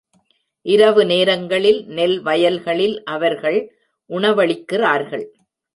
இரவு நேரங்களில் நெல் வயல்களில் அவர்கள் உணவளிக்கிறார்கள்.